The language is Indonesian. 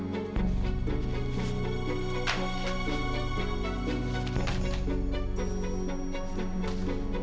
tapi itu bedah lihat tenaga